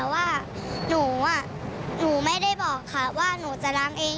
ว่าหนูไม่ได้บอกค่ะว่าหนูจะล้างเอง